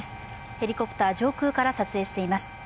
ヘリコプター上空から撮影しています。